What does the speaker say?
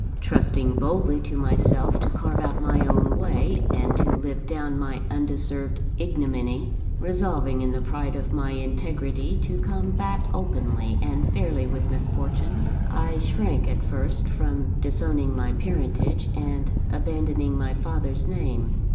"Trusting boldly to myself to carve out my own way, and to live down my undeserved ignominy; resolving in the pride of my integrity to combat openly and fairly with misfortune, I shrank, at first, from disowning my parentage and abandoning my father's name.